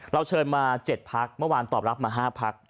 เราเชิญมา๗พักเมื่อวานตอบรับมา๕พัก